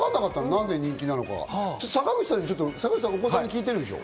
何で人気なのか坂口さん、お子さんに聞いてるんでしょ？